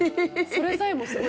それさえもすごい。